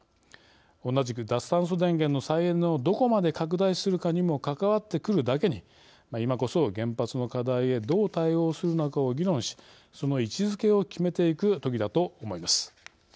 同じく脱炭素電源の再エネをどこまで拡大するかにも関わってくるだけに、今こそ原発の課題へどう対応するのかを議論し、その位置づけを決めていくときだと思います。